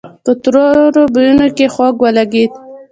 په تروو بويونو کې خوږ ولګېد.